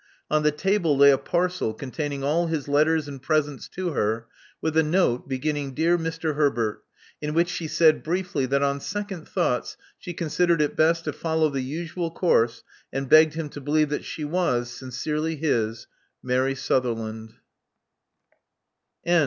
On the table lay a parcel containing all his letters and presents to her, with a note — ^beginning *'Dear Mr. Herbert" — in which she said briefly that on second thoughts she considered it best to follow the usual course, and begged him to believe that she was, sincerely his, Mary Sutherland.